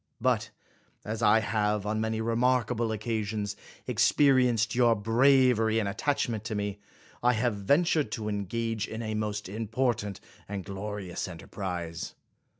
But as I have, on many remarkable occasions, experienced your bravery and attachment to me, I have ventured to engage in a most important and glorious en terprise.